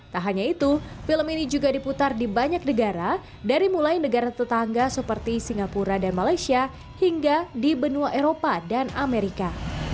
tak hanya itu film ini juga diputar di banyak negara dari mulai negara tetangga seperti singapura dan malaysia hingga di benua eropa dan amerika